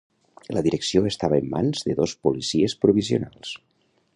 La direcció estava en mans de dos policies provisionals.